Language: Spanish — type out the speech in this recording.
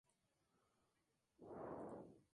La obra fue candidata a varios Premios Tony más.